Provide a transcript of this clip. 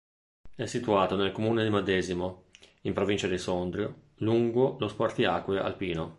È situato nel comune di Madesimo, in provincia di Sondrio, lungo lo spartiacque alpino.